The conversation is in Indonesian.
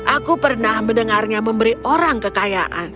aku pernah mendengarnya memberi orang kekayaan